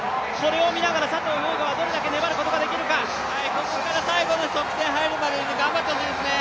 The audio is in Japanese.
ここから最後の直線に入るまでに頑張ってほしいですね。